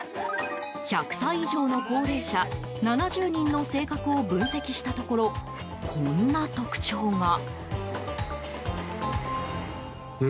１００歳以上の高齢者７０人の性格を分析したところこんな特徴が。